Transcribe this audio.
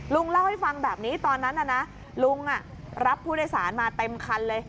ลุงเล่าให้ฟังแบบนี้ตอนนั้นน่ะนะลุงรับผู้โดยสารมาเต็มคันเลย